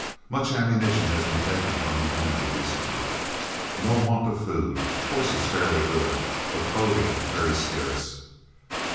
Much ammunition has been taken from the enemy recently. No want of food, horses fairly good, but clothing very scarce.